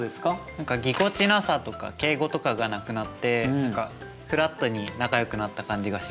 何かぎこちなさとか敬語とかがなくなって何かフラットに仲よくなった感じがします。